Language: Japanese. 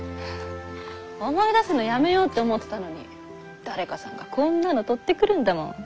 思い出すのやめようって思ってたのに誰かさんがこんなの採ってくるんだもん。